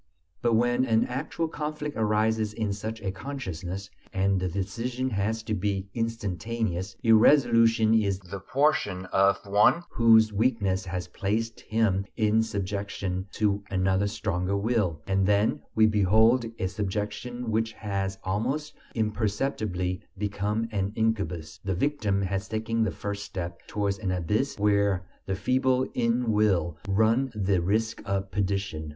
But when an actual conflict arises in such a consciousness, and the decision has to be instantaneous, irresolution is the portion of one whose weakness has placed him in subjection to another stronger will, and then we behold a subjection which has almost imperceptibly become an incubus: the victim has taken the first step towards an abyss where the feeble in will run the risk of perdition.